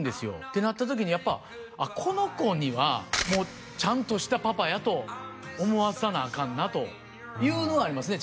てなった時にやっぱあっこの子にはちゃんとしたパパやと思わさなあかんなというのはありますね